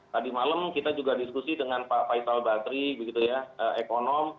tadi malam kita juga diskusi dengan pak faisal batri ekonom